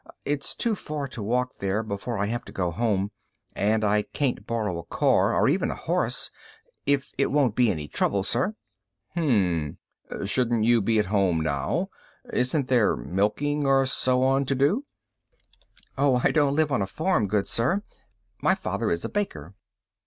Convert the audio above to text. It's too far to walk there before I have to be home, and I can't borrow a car, or even a horse. If it won't be any trouble, sir." "Mmmm shouldn't you be at home now? Isn't there milking and so on to do?" "Oh, I don't live on a farm, good sir. My father is a baker."